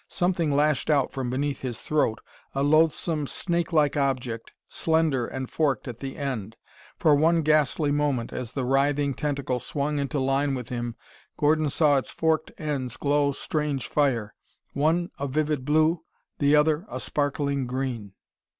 Something lashed out from beneath his throat a loathsome snake like object, slender and forked at the end. For one ghastly moment, as the writhing tentacle swung into line with him, Gordon saw its forked ends glow strange fire one a vivid blue, the other a sparkling green.